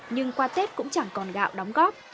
nhưng qua tết cũng chẳng còn gạo đóng góp